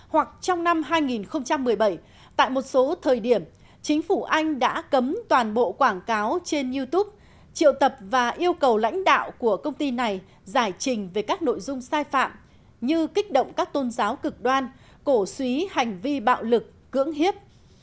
hoặc trong năm hai nghìn một mươi bảy tại một số thời điểm chính phủ anh đã cấm toàn bộ quảng cáo trên youtube triệu tập và yêu cầu lãnh đạo của công ty này giải trình về các nội dung sai phạm như kích động các tôn giáo cực đoan cổ suý hành vi bạo lực cưỡng hiếp